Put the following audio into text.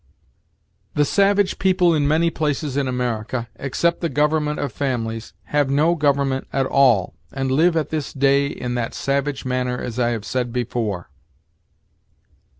"The savage people in many places in America, except the government of families, have no government at all, and live at this day in that savage manner as I have said before."